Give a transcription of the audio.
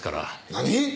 何！？